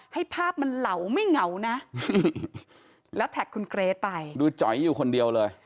ให้ภาพมันเหลาไม่เหงานะแล้วแท็กคุณเกรทไปดูจ๋อยอยู่คนเดียวเลย